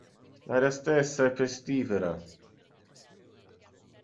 L'aria stessa è pestifera.